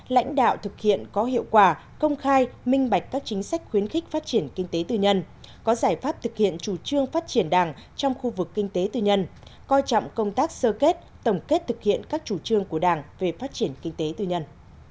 lãnh đạo thực hiện có hiệu quả công khai minh bạch các chính sách khuyến khích phát triển kinh tế tư nhân có giải pháp thực hiện chủ trương phát triển đảng trong khu vực kinh tế tư nhân coi trọng công tác sơ kết tổng kết thực hiện các chủ trương của đảng về phát triển kinh tế tư nhân